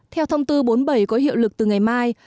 theo thông tư bốn mươi bảy có hiệu lực từ ngày mai